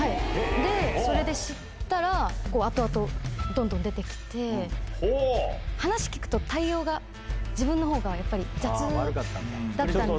で、それで知ったら、後々、どんどん出てきて、話聞くと、対応が自分のほうが、やっぱり雑だったんで。